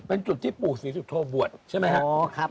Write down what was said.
เป็นจุดที่ปู่ศรีสุโธบวชใช่ไหมครับ